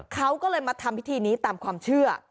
เขาก็เลยมาทำพิธีนี้ตามความเชื่อ